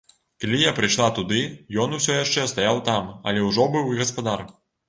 Калі я прыйшла туды, ён усё яшчэ стаяў там, але ўжо быў і гаспадар.